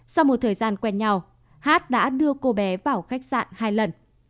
sau một thời gian quen nhau hát đã đưa cô bé vào khách sạn hai lần